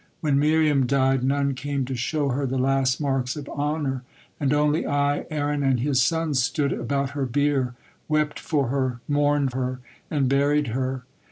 When Miriam died, none came to show her the last marks of honor, and only I, Aaron, and his sons stood about her bier, wept for her, mourned her, and buried her.